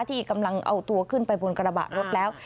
ที่กำลังเอาตัวขึ้นไปบนกระบะรถแล้ว